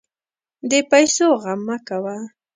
د پیسو غم مه کوه.